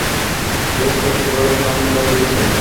এতে তো পুরোই জং ধরে গেছে।